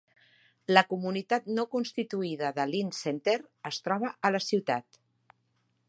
La comunitat no constituïda de Lind Center es troba a la ciutat.